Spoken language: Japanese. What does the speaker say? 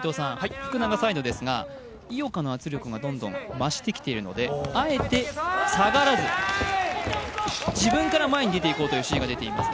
福永サイドですが、井岡の圧力がどんどん増してきているのであえて下がらず、自分から前に出ていこうという指示が出ていますね。